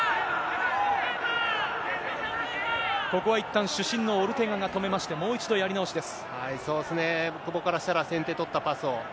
ここはいったん、主審のオルテガが止めまして、もう一度やり直しです。